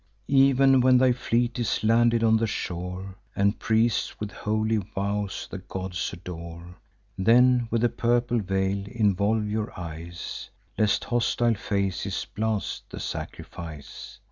Ev'n when thy fleet is landed on the shore, And priests with holy vows the gods adore, Then with a purple veil involve your eyes, Lest hostile faces blast the sacrifice.